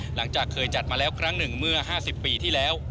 หลังจากเคยจัดมาแล้วครั้งหนึ่งเมื่อ๕๐ปีที่แล้ว